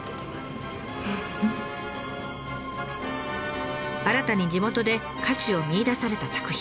新たに地元で価値を見いだされた作品。